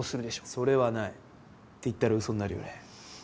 それはないって言ったらウソになるよね。